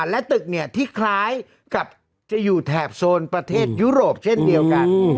และตึกที่คล้ายกับจะอยู่แถบโซนประเทศยุโรปเช่นเดียวกัน